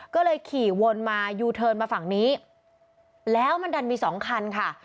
ก็เลยขี่วนมายูเทิร์นมาฝั่งนี้แล้วมันดันมีสองคันค่ะ